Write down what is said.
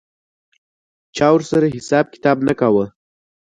چا ورسره حساب کتاب نه کاوه.